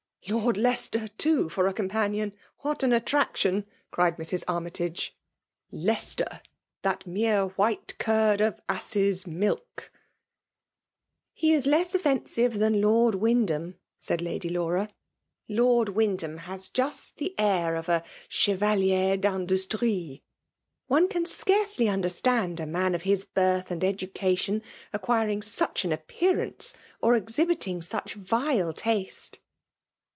'' Lord Leicester/ too, for a companion ! What an attrs^ction T' cried Mrs. Army tage. ' Leicester !— that mere white curd of ass's milk l* "" He is less offensive than Lord Wynd ham/' said Lady Laura. ''Lord Wyndham has just the air of a Chevalier ft Industrie. One can scarcely understand a man of his birth and education acquiring such an appearance, or exhibiting such vile taste."